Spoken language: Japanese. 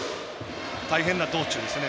大変な道中ですね。